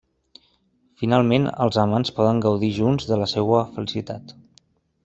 Finalment els amants poden gaudir junts de la seua felicitat.